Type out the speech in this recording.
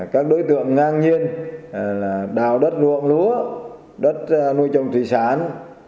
các đối tượng ngang nhiên đào đất ruộng lúa đất nuôi trồng thủy sản